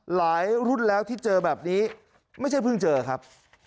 หลายรุ่นแล้วที่เจอแบบนี้ไม่ใช่เพิ่งเจอครับ